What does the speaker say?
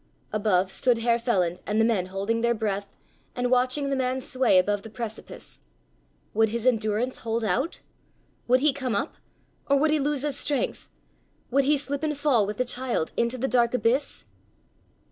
Above stood Herr Feland and the men holding their breath and watching the man sway above the precipice. Would his endurance hold out? Would he come up? Or would he lose his strength? Would he slip and fall with the child into the dark abyss?